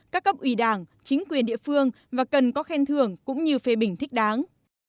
các cấp ủy đảng chính quyền địa phương và cần có khen thưởng cũng như phê bình thích đáng